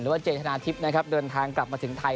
ว่าเจธนาทิพย์นะครับเดินทางกลับมาถึงไทย